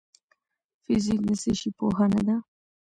فزیک د څه شي پوهنه ده؟